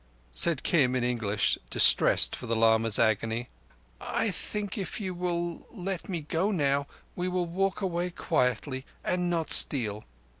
Said Kim in English, distressed for the lama's agony: "I think if you will let me go now we will walk away quietly and not steal.